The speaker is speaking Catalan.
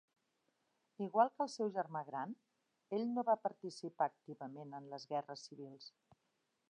Igual que el seu germà gran, ell no va participar activament en les guerres civils.